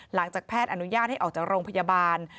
หลังจากแพทย์อนุญาตให้ออกจากโรงพยาบาล